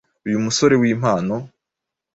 Uyu musore w’impano